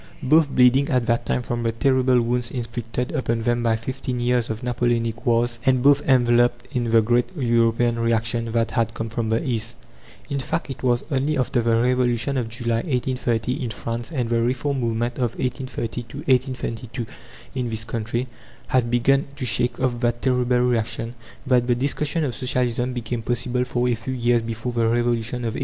Both bleeding at that time from the terrible wounds inflicted upon them by fifteen years of Napoleonic wars, and both enveloped in the great European reaction that had come from the East. In fact, it was only after the Revolution of July, 1830, in France, and the Reform movement of 1830 1832 in this country, had begun to shake off that terrible reaction, that the discussion of Socialism became possible for a few years before the revolution of 1848.